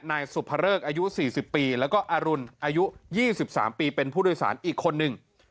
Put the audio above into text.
นายสุภเริกอายุ๔๐ปีแล้วก็อรุณอายุ๒๓ปีเป็นผู้โดยสารอีกคนนึง